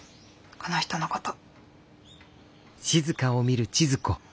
この人のこと。